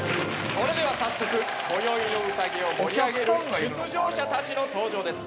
それでは早速今宵の宴を盛り上げる出場者たちの登場です。